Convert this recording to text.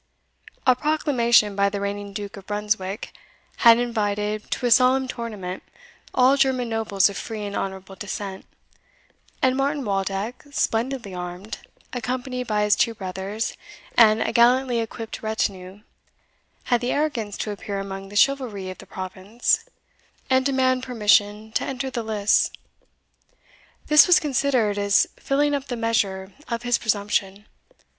A proclamation by the reigning Duke of Brunswick had invited to a solemn tournament all German nobles of free and honourable descent; and Martin Waldeck, splendidly armed, accompanied by his two brothers, and a gallantly equipped retinue, had the arrogance to appear among the chivalry of the province, and demand permission to enter the lists. This was considered as filling up the measure of his presumption.